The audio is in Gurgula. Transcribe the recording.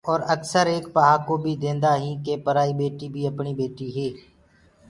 اور اڪسر ايڪ پهاڪو بيٚ ديندآ هينٚ ڪي پرائي ٻيٽي بي اپڻي هي ٻيٽي هي۔